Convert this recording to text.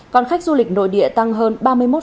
còn khách du lịch nội địa tăng hơn ba mươi một